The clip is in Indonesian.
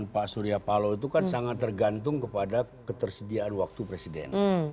pak surya paloh itu kan sangat tergantung kepada ketersediaan waktu presiden